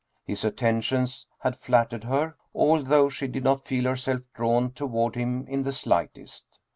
His attentions had flat tered her, although she did not feel herself drawn toward him in the slightest.